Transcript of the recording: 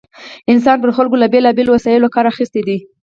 انسان پر خلکو له بېلا بېلو وسایلو کار اخیستی دی.